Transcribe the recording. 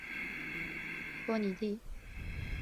波蒂尼。